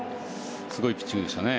すごいピッチングでしたね。